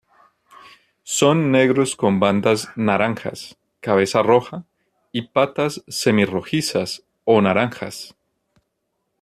Son negros con bandas naranjas, cabeza roja y patas semi rojizas o naranjas.